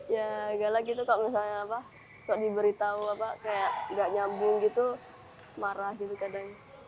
ya galak itu kalo misalnya apa kalo diberitahu apa kayak gak nyambung gitu marah gitu kadang